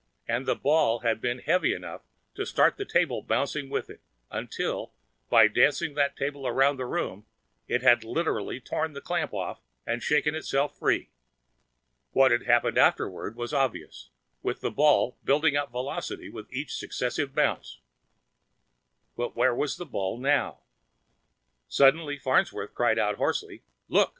And the ball had been heavy enough to start the table bouncing with it until, by dancing that table around the room, it had literally torn the clamp off and shaken itself free. What had happened afterward was obvious, with the ball building up velocity with every successive bounce. But where was the ball now? Suddenly Farnsworth cried out hoarsely, "Look!"